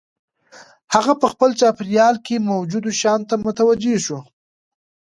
هغه په خپل چاپېريال کې موجودو شيانو ته متوجه شو.